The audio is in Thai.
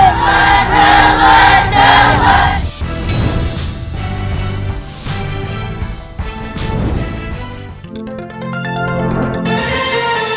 โปรดติดตามตอนต่อไป